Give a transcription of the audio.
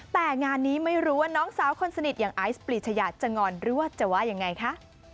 แต่งานนี้ไม่รู้ว่าน้องสาวคนสนิทอย่างไอซ์ปลีชยาจะงอนหรือว่าจะว่ายังไงคะ